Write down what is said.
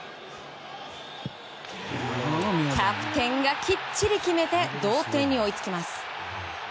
キャプテンがきっちり決めて同点に追いつきます。